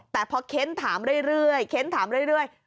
แต่พอเคนส์ถามเรื่อย